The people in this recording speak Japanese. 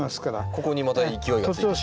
ここにまた勢いがついてしまう。